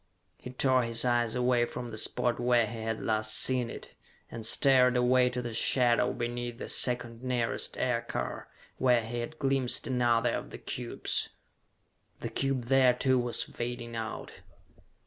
He tore his eyes away from the spot where he had last seen it, and stared away to the shadow beneath the second nearest aircar, where he had glimpsed another of the cubes. The cube there, too, was fading out.